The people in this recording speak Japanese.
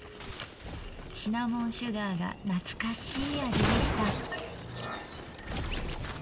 シナモンシュガーが懐かしい味でした。